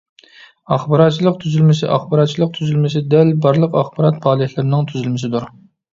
ئاخباراتچىلىق تۈزۈلمىسى ئاخباراتچىلىق تۈزۈلمىسى دەل بارلىق ئاخبارات پائالىيەتلىرىنىڭ تۈزۈلمىسىدۇر.